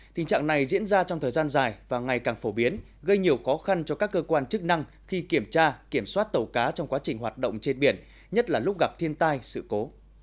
tình trạng này diễn ra trong thời gian dài và ngày càng phổ biến gây nhiều khó khăn cho các cơ quan chức năng khi kiểm tra kiểm soát tàu cá trong quá trình hoạt động trên biển nhất là lúc gặp thiên tai sự cố